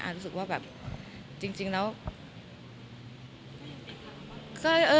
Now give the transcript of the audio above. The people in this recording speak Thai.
รู้สึกว่าแบบจริงแล้ว